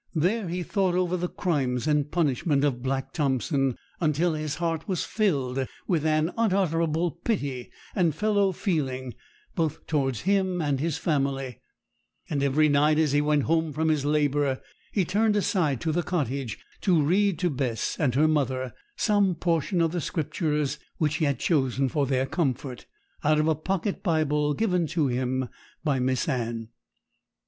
There he thought over the crimes and punishment of Black Thompson, until his heart was filled with an unutterable pity and fellow feeling both towards him and his family; and every night, as he went home from his labour, he turned aside to the cottage, to read to Bess and her mother some portion of the Scriptures which he had chosen for their comfort, out of a pocket Bible given to him by Miss Anne.